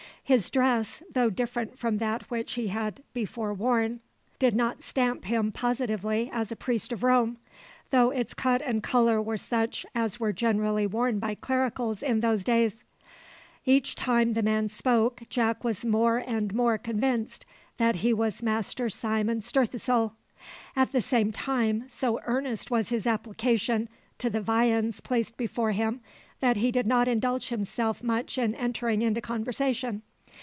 His dress, though different from that which he had before worn, did not stamp him positively as a priest of Rome, though its cut and colour were such as were generally worn by clericals in those days. Each time the man spoke Jack was more and more convinced that he was Master Simon Stirthesoul. At the same time, so earnest was his application to the viands placed before him, that he did not indulge himself much in entering into conversation.